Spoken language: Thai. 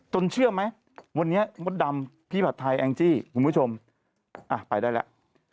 เชื่อไหมวันนี้มดดำพี่ผัดไทยแองจี้คุณผู้ชมอ่ะไปได้แล้ว